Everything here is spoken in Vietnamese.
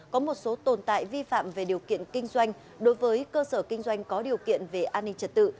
có một số tồn tại vi phạm về điều kiện kinh doanh đối với cơ sở kinh doanh có điều kiện về an ninh trật tự